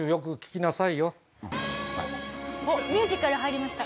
おっミュージカル入りました。